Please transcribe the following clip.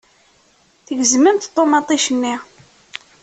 Tgezmemt ṭumaṭic-nni.